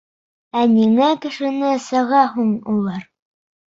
— Ә ниңә кешене саға һуң улар?